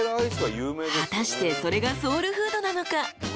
［果たしてそれがソウルフードなのか？］